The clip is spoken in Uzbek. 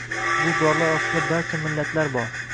Bu dorlar ostida barcha millat bor